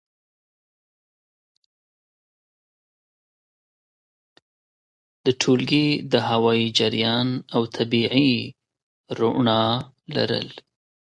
د ټولګي د هوايي جریان او طبیعي رؤڼا لرل!